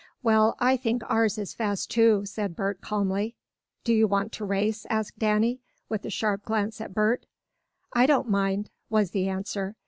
"Well, I think ours is fast, too," said Bert calmly. "Do you want to race?" asked Danny with a sharp glance at Bert. "I don't mind," was the answer.